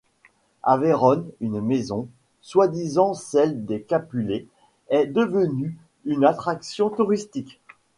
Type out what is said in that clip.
À Vérone, une maison, soi-disant celle des Capulet, est devenue une attraction touristique.